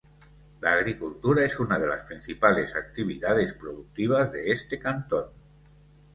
La agricultura es una de las principales actividades productivas de este cantón.